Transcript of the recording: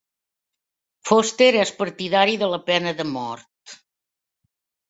Foster és partidari de la pena de mort.